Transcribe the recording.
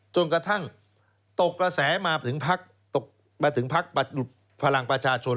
จนกระทั่งตกระแสมาถึงพักประหลังประชาชน